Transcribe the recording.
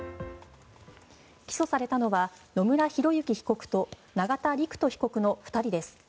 起訴されたのは野村広之被告と永田陸人被告の２人です。